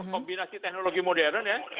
kombinasi teknologi modern ya